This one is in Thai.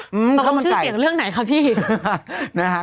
ฮะตรงชื่อเสียงเรื่องไหนครับพี่นะฮะตรงชื่อเสียงเรื่องไหนครับพี่